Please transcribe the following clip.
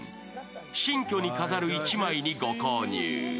新居に飾る一枚にご購入。